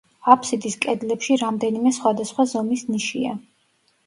აფსიდის კედლებში რამდენიმე სხვადასხვა ზომის ნიშია.